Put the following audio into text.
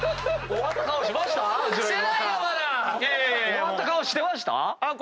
終わった顔してました？